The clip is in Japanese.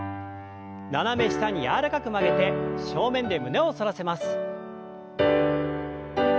斜め下に柔らかく曲げて正面で胸を反らせます。